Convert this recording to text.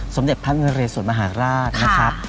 สมเด็จพระนเรสวนมหาราชนะครับ